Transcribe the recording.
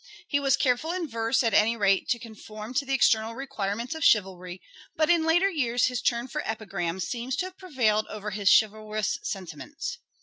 ,. He was careful in verse at any rate to conform to the external requirements of chivalry, but in later years his turn for epigram seems to have prevailed over his chivalrous sentiments."